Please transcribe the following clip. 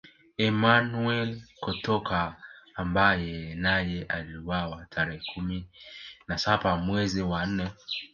Emmanuel Kotoka ambaye naye aliuawa tarehe kumi na saba mwezi wa nne